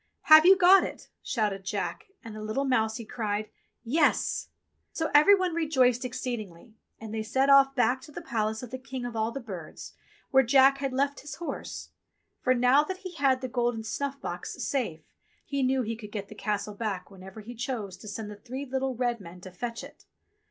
*'Have you got it.?'* shouted Jack, and the little mousie cried : "Yes!" So every one rejoiced exceedingly, and they set off back to the palace of the King of all the Birds, where Jack had left his horse ; for now that he had the golden snuff box safe he knew he could get the Castle back whenever he chose to send the three little red men to fetch it.